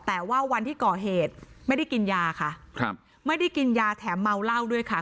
แต่ว่าวันที่ก่อเหตุไม่ได้กินยาค่ะครับไม่ได้กินยาแถมเมาเหล้าด้วยค่ะ